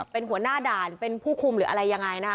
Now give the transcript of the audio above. เป็นหัวหน้าด่านหรือเป็นผู้คุมหรืออะไรยังไงนะคะ